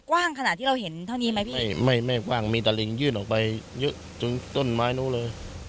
กว้างขนาดที่เราเห็นเท่านี้ไหมพี่ไม่ไม่กว้างมีตะลิงยื่นออกไปเยอะจนต้นไม้นู้นเลย